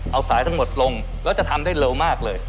เอาสายทั้งหมดลงแล้วจะทำได้เร็วมากเลย